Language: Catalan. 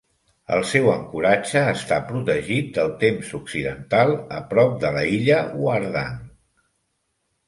El seu ancoratge està protegit del temps occidental a prop de la illa Wardang.